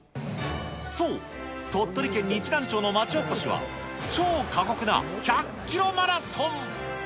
そう、鳥取県にちなん町の町おこしは、超過酷な１００キロマラソン。